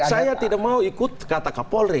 saya tidak mau ikut kata kapolri